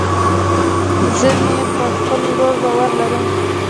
زه مې په خپل ورور باور لرم